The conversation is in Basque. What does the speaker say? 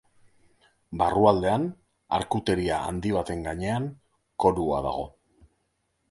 Barrualdean, arkuteria handi baten gainean, korua dago.